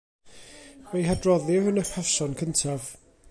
Fe'i hadroddir yn y person cyntaf.